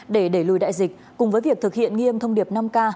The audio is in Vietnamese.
để đẩy lùi đại dịch cùng với việc thực hiện nghiêm thông điệp năm k